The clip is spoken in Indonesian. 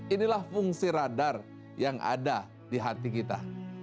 inilah fungsi radar yang ada di hati kita